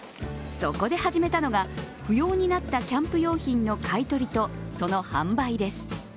そこで始めたのが不要になったキャンプ用品の買い取りとその販売です。